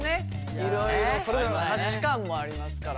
いろいろそれぞれの価値観もありますから。